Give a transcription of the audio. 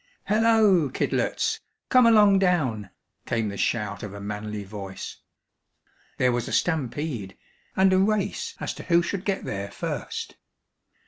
"Halloa, Kidlets! Come along down!" came the shout of a manly voice. There was a stampede, and a race as to who should get there first.